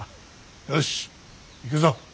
よし行くぞ。